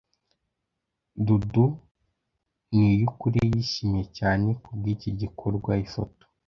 Dudu T Niyukuri yishimye cyane kubw'iki gikorwa/Ifoto